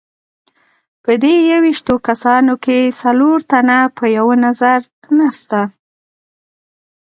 په دې یوویشتو کسانو کې څلور تنه په یوه نظر نسته.